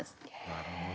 なるほど。